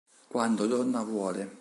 Quando donna vuole